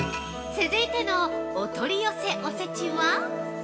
◆続いてのお取り寄せおせちは。